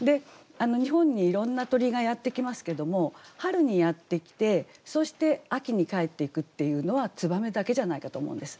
日本にいろんな鳥がやって来ますけども春にやって来てそして秋に帰っていくっていうのは燕だけじゃないかと思うんです。